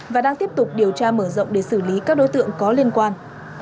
và đang tiếp tục điều tra mở rộng để xử lý các đối tượng có liên quan